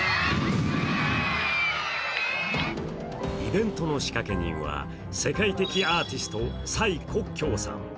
イベントの仕掛け人は世界的アーティスト蔡國強さん。